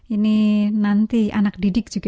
ini nanti anak didik juga